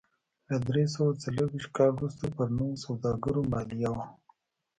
له درې سوه څلرویشت کال وروسته پر نویو سوداګرو مالیه و